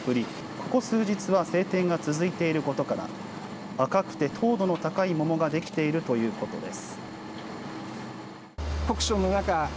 ここ数日は晴天が続いていることから赤くて糖度の高い桃ができているということです。